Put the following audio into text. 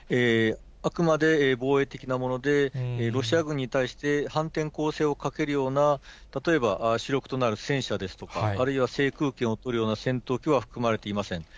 あくまで防衛的なもので、ロシア軍に対して反転攻勢をかけるような例えば、主力となる戦車ですとか、あるいは制空権を取るような戦闘機は含まれていません。